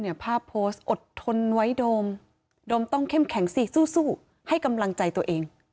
ภาพโพสต์อดทนไว้โดมโดมต้องเข้มแข็งสิสู้ให้กำลังใจตัวเอง